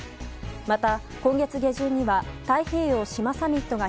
また今月下旬には太平洋・島サミットが